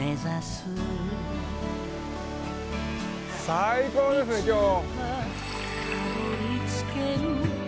最高ですね今日。